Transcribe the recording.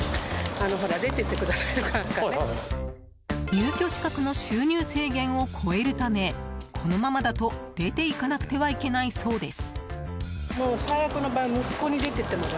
入居資格の収入制限を超えるためこのままだと出ていかなくてはいけないそうです。